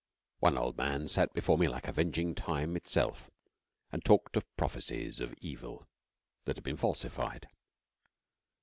One old man sat before me like avenging Time itself, and talked of prophecies of evil, that had been falsified.